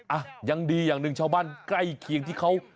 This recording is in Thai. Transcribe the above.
อ่ะยังดีอย่างหนึ่งชาวบ้านใกล้เคียงที่เขา